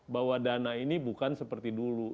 bahwa dana ini bukan seperti dulu